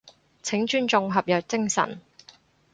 請尊重合約精神